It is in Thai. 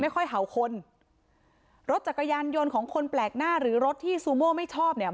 ค่อยเห่าคนรถจักรยานยนต์ของคนแปลกหน้าหรือรถที่ซูโม่ไม่ชอบเนี่ย